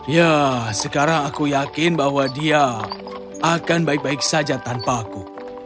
ya sekarang aku yakin bahwa dia akan baik baik saja tanpa aku